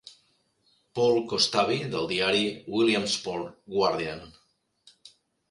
Paul Kostabi del diari "Williamsport Guardian"